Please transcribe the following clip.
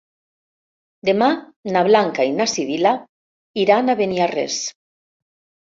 Demà na Blanca i na Sibil·la iran a Beniarrés.